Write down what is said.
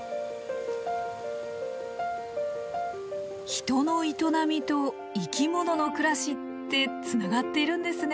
人の営みと生き物の暮らしってつながっているんですね